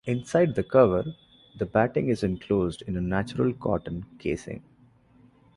Inside the cover, the batting is enclosed in a natural cotton casing.